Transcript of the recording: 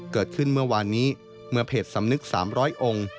เกิดขึ้นเมื่อวานนี้เมื่อเพจสำนึก๓๐๐องค์